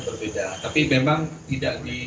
berbeda tapi memang tidak di